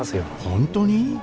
本当に？